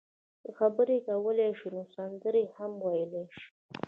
که خبرې کولای شئ نو سندرې هم ویلای شئ.